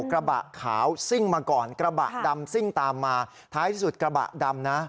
กระบะขาวซิ่งมาก่อนกระบะดำซิ่งตามมาท้ายที่สุดกระบะดำนะ